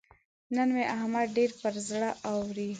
نن مې احمد ډېر پر زړه اوري.